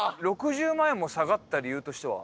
６０万円も下がった理由としては？